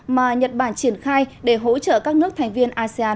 mà nhật bản triển khai để hỗ trợ các nước thành viên asean